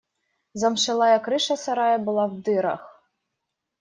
Замшелая крыша сарая была в дырах.